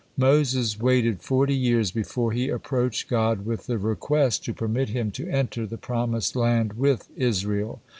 Moses waited forty years before he approached God with the request to permit him to enter the promised land with Israel.